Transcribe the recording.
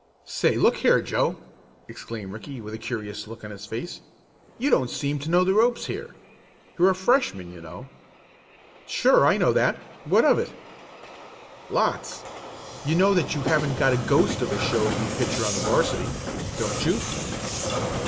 "Say, look here, Joe!" exclaimed Ricky, with a curious look on his face, "you don't seem to know the ropes here. You're a Freshman, you know." "Sure I know that. What of it?" "Lots. You know that you haven't got the ghost of a show to be pitcher on the 'varsity; don't you?"